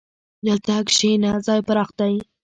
دلته کښېنه، ځای پراخ دی.